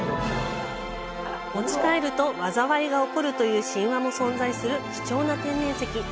持ち帰ると災いが起こるという神話も存在する貴重な天然石。